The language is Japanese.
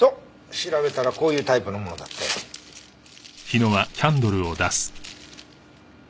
調べたらこういうタイプのものだったよ。